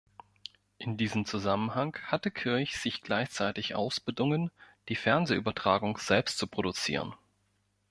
In diesem Zusammenhang hatte Kirch sich gleichzeitig ausbedungen, die Fernsehübertragung selbst zu produzieren.